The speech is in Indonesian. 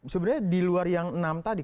sebenarnya di luar yang enam tadi